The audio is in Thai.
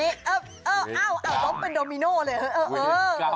เอ้าล้มเป็นโดมิโน่เลย